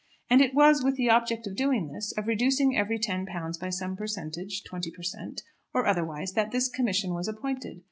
And it was with the object of doing this, of reducing every £10 by some percentage, twenty per cent. or otherwise, that this commission was appointed.